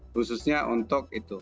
khususnya untuk itu